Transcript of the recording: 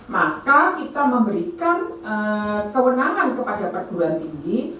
maka kita memberikan kewenangan kepada perguruan tinggi